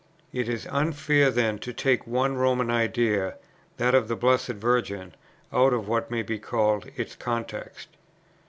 It is unfair then to take one Roman idea, that of the Blessed Virgin, out of what may be called its context.